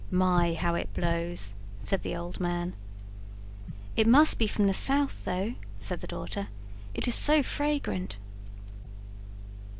"My how it blows!" said the old man. "It must be from the south, though," said the daughter, "it is so fragrant."